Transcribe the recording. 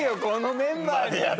このメンバーで。